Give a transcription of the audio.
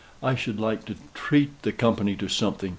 I should like to treat the company to something.